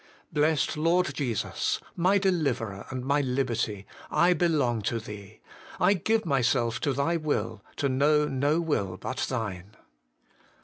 Blessed Lord Jesus! my Deliverer and my Liberty, I belong to Thee. I give myself to Thy will, to know no will but Thine.